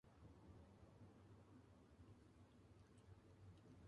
Partido Judicial de Villadiego.